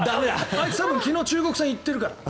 あいつ、多分昨日の中国戦、行ってるから。